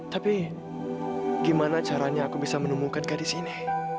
tapi gimana caranya aku bisa menemukan gadis ini